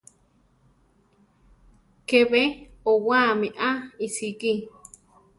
¿Ke be owáami a iʼsíki?